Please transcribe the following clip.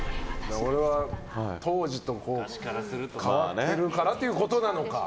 当時と変わってるからってことなのか。